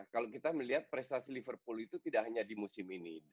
kalau kita melihat prestasi liverpool itu tidak hanya di musim ini